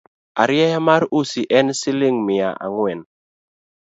Arieya mar usi en siling’ mia ang’wen